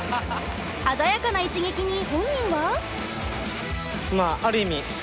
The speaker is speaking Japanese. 鮮やかな一撃に本人は。